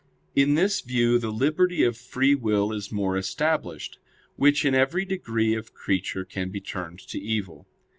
In this view the liberty of free will is more established; which in every degree of creature can be turned to evil.